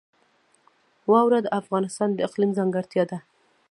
واوره د افغانستان د اقلیم ځانګړتیا ده.